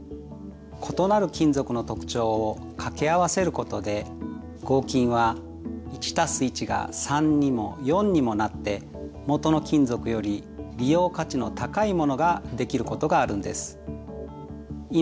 異なる金属の特徴を掛け合わせることで合金は１＋１が３にも４にもなってもとの金属より利用価値の高いものができることがあるんです。